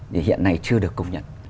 thì hiện này chưa được công nhận